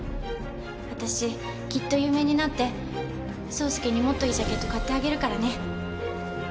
私きっと有名になって草介にもっといいジャケット買ってあげるからね。